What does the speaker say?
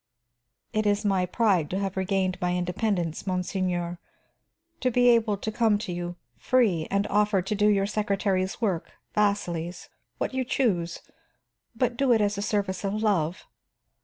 It is my pride to have regained my independence, monseigneur; to be able to come to you, free, and offer to do your secretary's work, Vasili's, what you choose, but to do it as a service of love.